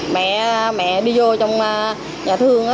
mẹ đi vô trong nhà thương